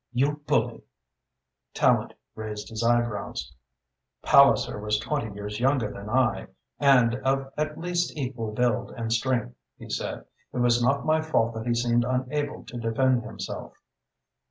"You bully!" Tallente raised his eyebrows. "Palliser was twenty years younger than I and of at least equal build and strength," he said. "It was not my fault that he seemed unable to defend himself."